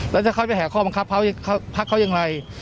แล้วถ้าเขาไปแห่ข้อมันครับพรรคเขายังไง